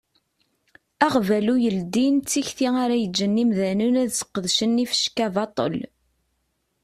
Aɣbalu yeldin d tikti ara yeǧǧen imdanen ad sqedcen ifecka baṭel.